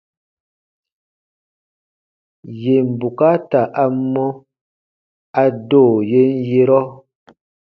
Yèn bukaata a mɔ, a do yen yerɔ.